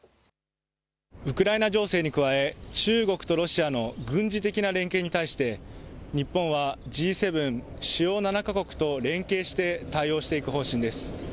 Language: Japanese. ウクライナ情勢に加え中国とロシアの軍事的な連携に対して日本はＧ７・主要７か国と連携して対応していく方針です。